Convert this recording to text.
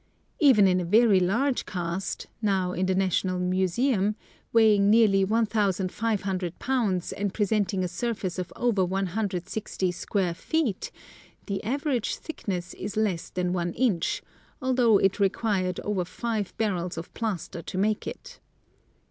Even in a very large cast (now in the National Mu seum), weighing nearly 1,500 pounds and presenting a surface of over 160 square feet, the average thickness is less than one inch, although it required over five barrels of plaster to make it.